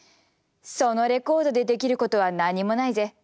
「そのレコードでできることは何もないぜ。